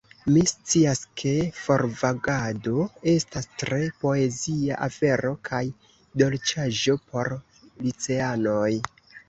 Mi scias, ke forvagado estas tre poezia afero kaj dolĉaĵo por liceanoj.